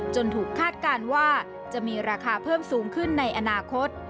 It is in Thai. ถูกคาดการณ์ว่าจะมีราคาเพิ่มสูงขึ้นในอนาคต